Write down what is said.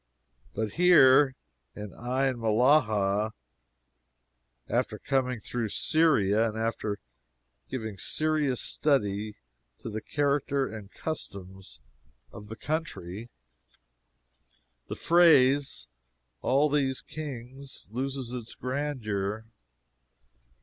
But here in Ain Mellahah, after coming through Syria, and after giving serious study to the character and customs of the country, the phrase "all these kings" loses its grandeur.